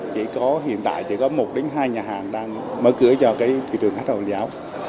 chỉ có hiện tại chỉ có một đến hai nhà hàng đang mở cửa cho cái thị trường hát thờ hồi giáo